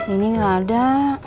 ini gak ada